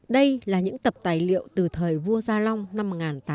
đây là những tập tài liệu từ thời vua gia long năm một nghìn tám trăm linh hai